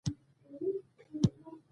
سترګې د انسان د روح عکس وي